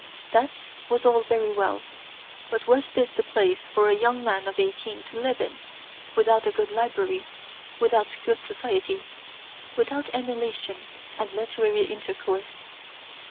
That was all very well, but was this the place for a young man of eighteen to live in, without a good library, without good society, without emulation and literary intercourse?